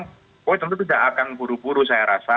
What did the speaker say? pak jokowi tentu tidak akan buru buru saya rasa